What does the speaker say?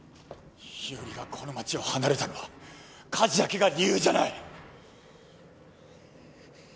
日和がこの町を離れたのは火事だけが理由じゃない。